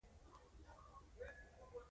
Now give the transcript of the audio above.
د شانګهای د همکاریو د سازمان څارونکی غړی دی